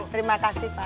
terima kasih pak